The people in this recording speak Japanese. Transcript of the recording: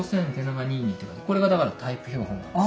これがだからタイプ標本です。